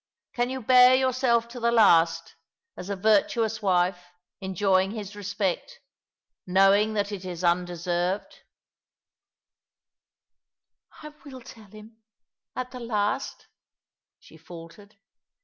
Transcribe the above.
Can you bear yourself to the last, as a virtuous wife— enjoying his respect — knowing that it is undeserved "" I will tell him — at the last," she faltered.